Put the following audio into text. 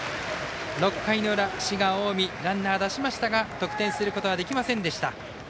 ６回の裏、滋賀・近江ランナーを出しましたが得点することはできませんでした。